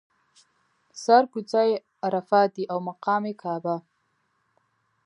سر کوڅه یې عرفات دی او مقام یې کعبه.